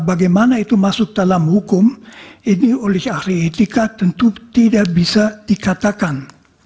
bagaimana itu masuk dalam hukum ini oleh ahli etika tentu tidak bisa dikatakan